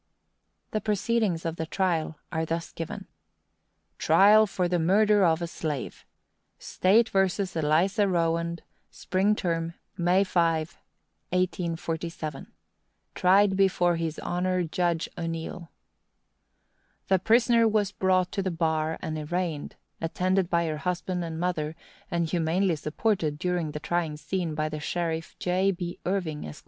The proceedings of the trial are thus given: TRIAL FOR THE MURDER OF A SLAVE. State v. Eliza Rowand.—Spring Term, May 5, 1847. Tried before his Honor Judge O'Neall. The prisoner was brought to the bar and arraigned, attended by her husband and mother, and humanely supported, during the trying scene, by the sheriff, J. B. Irving, Esq.